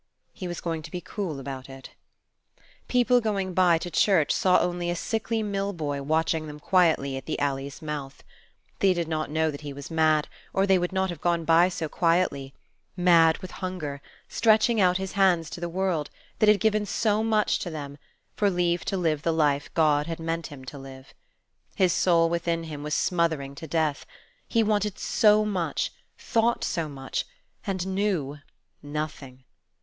He was going to be cool about it. People going by to church saw only a sickly mill boy watching them quietly at the alley's mouth. They did not know that he was mad, or they would not have gone by so quietly: mad with hunger; stretching out his hands to the world, that had given so much to them, for leave to live the life God meant him to live. His soul within him was smothering to death; he wanted so much, thought so much, and knew nothing.